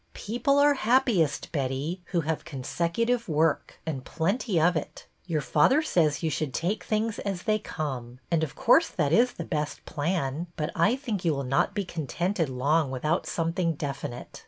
People are happiest, Betty, who have con secutive work, and plenty of it. Your father says you should take things as they come, and of course that is the best plan, but I think you will not be contented long without something definite.